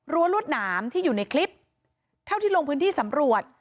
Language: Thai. รวดหนามที่อยู่ในคลิปเท่าที่ลงพื้นที่สำรวจ